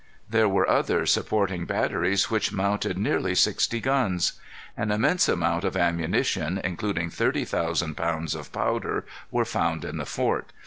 There were other supporting batteries which mounted nearly sixty guns. An immense amount of ammunition, including thirty thousand pounds of powder, were found in the fort.